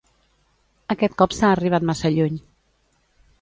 Aquest cop s’ha arribat massa lluny.